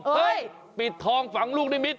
เฮ้ยปิดทองฝังลูกนิมิตร